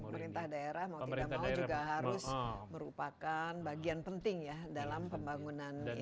pemerintah daerah mau tidak mau juga harus merupakan bagian penting ya dalam pembangunan ini